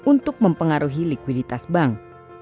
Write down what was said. untuk mempengaruhi likuiditas bank